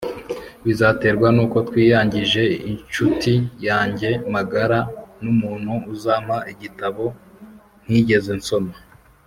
bizaterwa nuko twiyangije .inshuti yanjye magara numuntu uzampa igitabo ntigeze nsoma